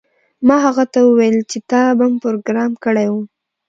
ما هغه ته وویل چې تا بم پروګرام کړی و